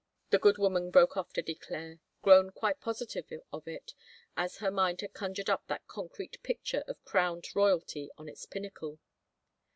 " the good woman broke off to declare, grown quite positive of it as her mind had conjured up that concrete picture of crowned royalty on its pinnacle.